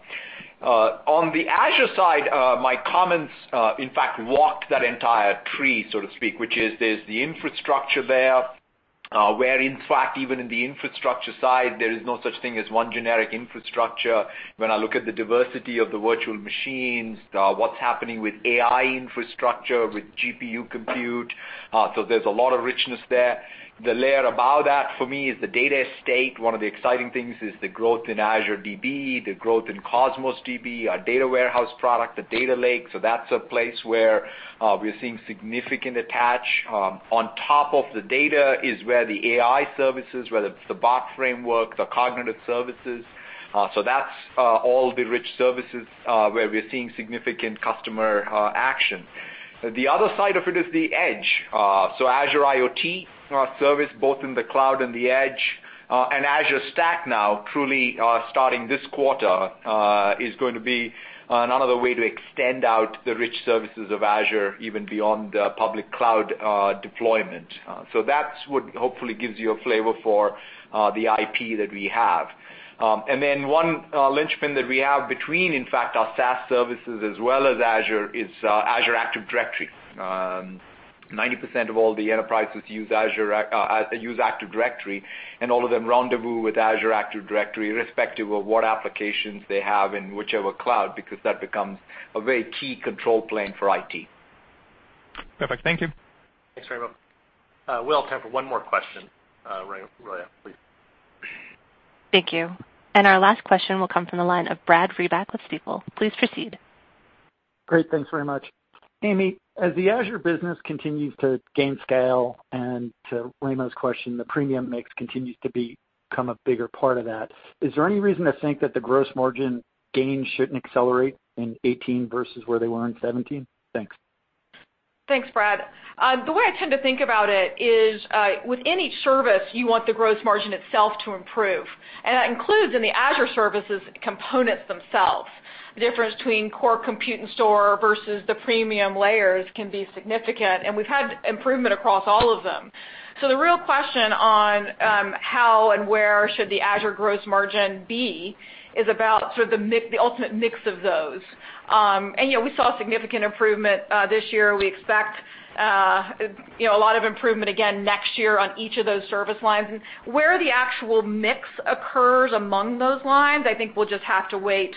On the Azure side, my comments, in fact, walk that entire tree, so to speak, which is there's the infrastructure there, where in fact, even in the infrastructure side, there is no such thing as one generic infrastructure. When I look at the diversity of the virtual machines, what's happening with AI infrastructure, with GPU compute, there's a lot of richness there. The layer above that for me is the data estate. One of the exciting things is the growth in Azure DB, the growth in Cosmos DB, our data warehouse product, the Data Lake. That's a place where we're seeing significant attach. On top of the data is where the AI services, whether it's the Bot Framework, the Cognitive Services. That's all the rich services where we're seeing significant customer action. The other side of it is the edge. Azure IoT service both in the cloud and the edge and Azure Stack now truly starting this quarter is going to be another way to extend out the rich services of Azure even beyond the public cloud deployment. That's what hopefully gives you a flavor for the IP that we have. One linchpin that we have between, in fact, our SaaS services as well as Azure is Azure Active Directory. 90% of all the enterprises use Active Directory, all of them rendezvous with Azure Active Directory irrespective of what applications they have in whichever cloud, because that becomes a very key control plane for IT. Perfect. Thank you. Thanks, Raimo. We all have time for one more question. Maria, please. Thank you. Our last question will come from the line of Brad Reback with Stifel. Please proceed. Great. Thanks very much. Amy, as the Azure business continues to gain scale and to Raimo's question, the premium mix continues to become a bigger part of that, is there any reason to think that the gross margin gains shouldn't accelerate in 2018 versus where they were in 2017? Thanks. Thanks, Brad. The way I tend to think about it is, with any service, you want the gross margin itself to improve, and that includes in the Azure services components themselves. The difference between core compute and store versus the premium layers can be significant, and we've had improvement across all of them. The real question on how and where should the Azure gross margin be is about sort of the ultimate mix of those. Yeah, we saw significant improvement this year. We expect, you know, a lot of improvement again next year on each of those service lines. Where the actual mix occurs among those lines, I think we'll just have to wait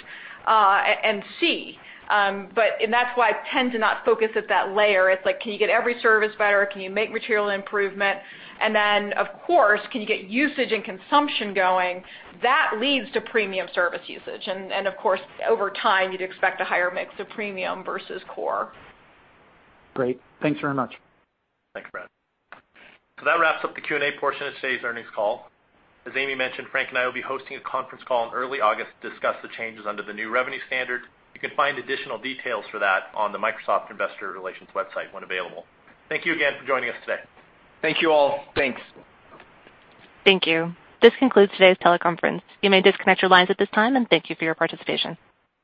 and see. That's why I tend to not focus at that layer. It's like, can you get every service better? Can you make material improvement? Of course, can you get usage and consumption going? That leads to premium service usage. Of course, over time, you'd expect a higher mix of premium versus core. Great. Thanks very much. Thanks, Brad. That wraps up the Q&A portion of today's earnings call. As Amy mentioned, Frank and I will be hosting a conference call in early August to discuss the changes under the new revenue standards. You can find additional details for that on the Microsoft Investor Relations website when available. Thank you again for joining us today. Thank you all. Thanks. Thank you. This concludes today's teleconference. You may disconnect your lines at this time, and thank you for your participation.